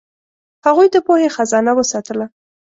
هغوی د پوهې خزانه وساتله.